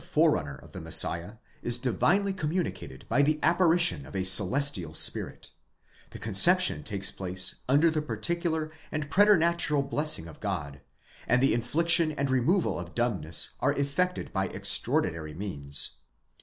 forerunner of the Messiah is divinely communicated by the apparition of 2 celestial spirit ; the conception takes place under the particular and preter natural blessing of God ; and the infliction and removal of dumbness are effected by extraordinary means.